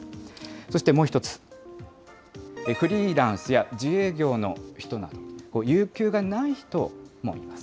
そしてもう一つ、フリーランスや自営業の人など、有給がない人もいます。